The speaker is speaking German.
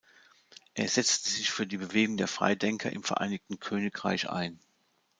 Er setzte sich für die Bewegung der Freidenker im Vereinigten Königreich ein.